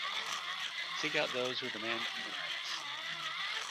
Seek out those who demand human rights.